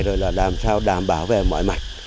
rồi là làm sao đảm bảo vệ mọi mạch